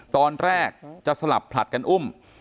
ตอนแรกจะสลับผลัดกันอุ้ม